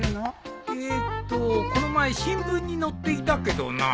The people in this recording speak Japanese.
えーっとこの前新聞に載っていたけどな。